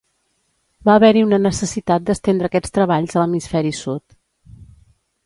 Va haver-hi una necessitat d'estendre aquests treballs a l'Hemisferi Sud.